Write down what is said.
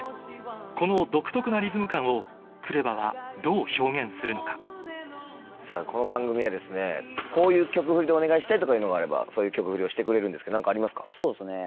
この独特なリズム感をＫＲＥＶＡはどう表現するのかこの番組はこういう曲フリでお願いしたいとかがあればそういう曲フリをしてくれるんですけど何かありますか？